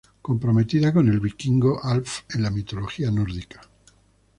Comprometida con el vikingo Alf en la mitología nórdica.